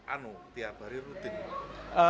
anu tiap hari rutin